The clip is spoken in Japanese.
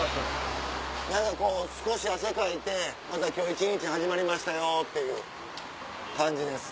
何かこう少し汗かいてまた今日一日始まりましたよっていう感じです。